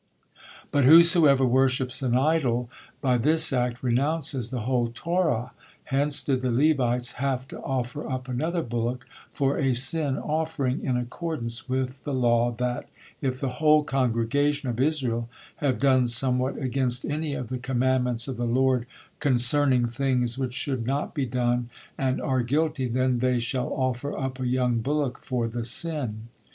"But whosoever worships an idol, by this act renounces the whole Torah," hence did the Levites have to offer up another bullock for a sin offering, in accordance with the law that "if the whole congregation of Israel have done somewhat against any of the commandments of the Lord concerning things which should not be done, and are guilty, then they shall offer up a young bullock for the sin."